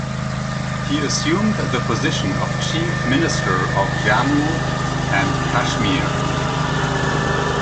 He assumed the position of Chief Minister of Jammu and Kashmir.